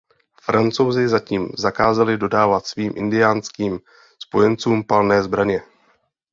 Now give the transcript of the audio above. Francouzi zatím zakázali dodávat svým indiánským spojencům palné zbraně.